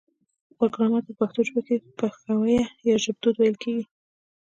و ګرامر ته په پښتو ژبه کې پښويه يا ژبدود ويل کيږي